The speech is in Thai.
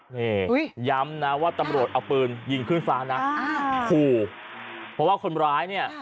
นี่ย้ำนะว่าตำรวจเอาปืนยิงขึ้นฟ้านะขู่เพราะว่าคนร้ายเนี่ย